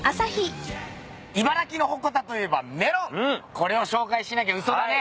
これを紹介しなきゃ嘘だね。